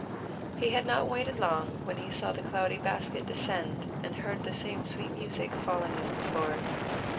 He had not waited long when he saw the cloudy basket descend, and heard the same sweet music falling as before.